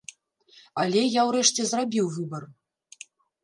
Але я ўрэшце зрабіў выбар.